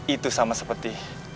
itu sama seperti